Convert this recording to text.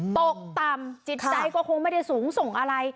ตกต่ำจิตใจก็คงไม่ได้สูงส่งอะไร